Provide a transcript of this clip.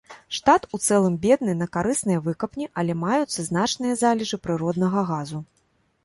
Штат у цэлым бедны на карысныя выкапні, але маюцца значныя залежы прыроднага газу.